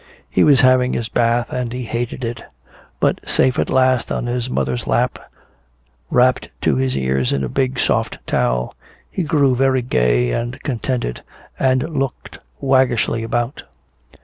He was having his bath and he hated it. But safe at last on his mother's lap, wrapped to his ears in a big soft towel, he grew very gay and contented and looked waggishly about.